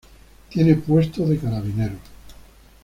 Tiene puesto de carabineros.